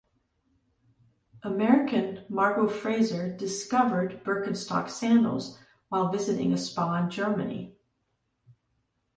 American, Margot Fraser "discovered" Birkenstock sandals while visiting a spa in Germany.